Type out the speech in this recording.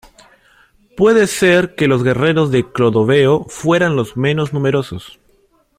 Puede ser que los guerreros de Clodoveo fueran los menos numerosos.